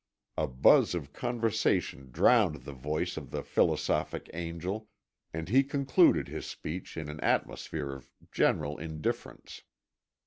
A buzz of conversation drowned the voice of the philosophic angel, and he concluded his speech in an atmosphere of general indifference.